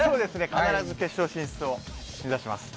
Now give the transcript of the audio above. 必ず決勝進出を目指します。